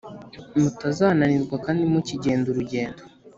Mutazananirwa kandi mukigenda urugendo